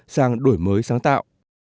sang đổi mới sáng tạo